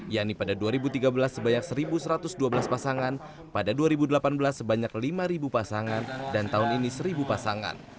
yaitu pada dua ribu tiga belas sebanyak satu satu ratus dua belas pasangan pada dua ribu delapan belas sebanyak lima pasangan dan tahun ini seribu pasangan